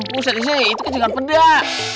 buset sih itu kan jangan peda